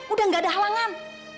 udah gak ada halangan